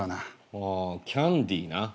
ああキャンディーな。